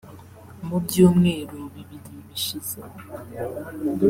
mu byumweru bibiri bishize